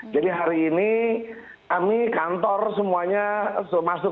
jadi hari ini kami kantor semuanya masuk